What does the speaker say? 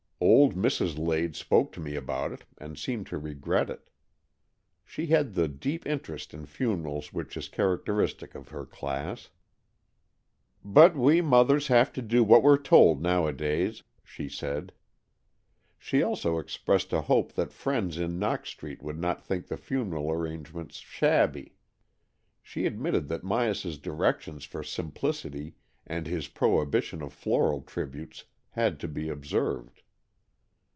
Old Mrs. Lade spoke to me about it and seemed to regret it. She had the deep interest in funerals which is characteristic of her class. '' But we mothers have to do what we're told AN EXCHANGE OF SOULS 129 nowadays," she said. She also expressed a hope that friends in Knox Street would not think the funeral arrangements shabby. She admitted that Myas's directions for simplicity and his prohibition of floral tributes had to be observed.